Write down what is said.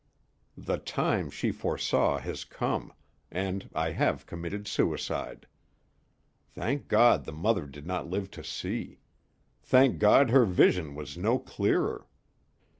"The time she foresaw has come, and I have committed suicide. Thank God the mother did not live to see! Thank God her vision was no clearer!